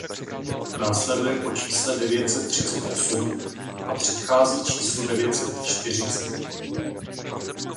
Následuje po čísle devět set třicet osm a předchází číslu devět set čtyřicet.